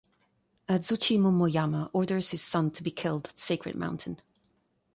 Azuchi Momoyama orders his son to be killed at Sacred Mountain.